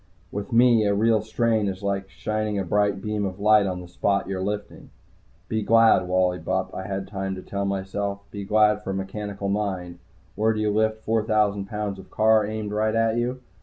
With me a real strain is like shining a bright beam of light on the spot you're lifting. Be glad, Wally Bupp, I had time to tell myself. Be glad for a mechanical mind. Where do you lift four thousand pounds of car aimed right at you?